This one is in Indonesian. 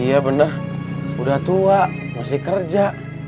iya benar udah tua masih kerja